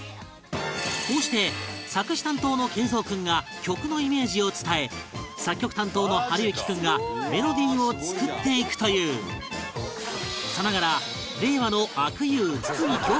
こうして作詞担当の桂三君が曲のイメージを伝え作曲担当の暖之君がメロディーを作っていくというさながら令和の阿久悠筒美京平